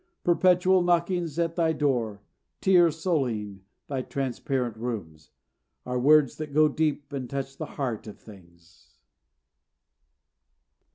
"Perpetual knockings at Thy door, tears sullying Thy transparent rooms," are words that go deep and touch the heart of things.